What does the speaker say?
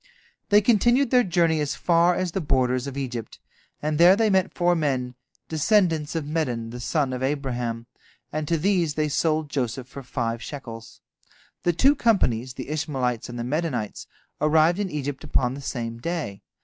They continued their journey as far as the borders of Egypt, and there they met four men, descendants of Medan, the son of Abraham, and to these they sold Joseph for five shekels. The two companies, the Ishmaelites and the Medanites, arrived in Egypt upon the same day.